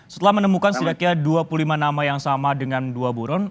setelah menemukan setidaknya dua puluh lima nama yang sama dengan dua buron